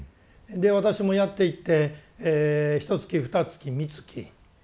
私もやっていってひとつきふたつきみつきたっていきます。